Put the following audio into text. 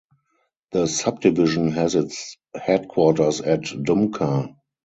The subdivision has its headquarters at Dumka.